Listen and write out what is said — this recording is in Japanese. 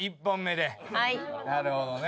なるほどね。